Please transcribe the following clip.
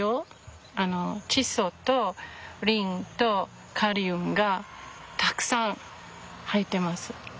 窒素とリンとカリウムがたくさん入ってます。